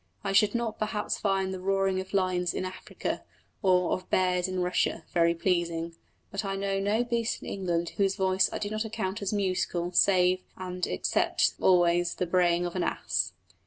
I should not perhaps find the roaring of lions in Africa, or of bears in Russia, very pleasing; but I know no beast in England whose voice I do not account as musical, save and except always the braying of an ass.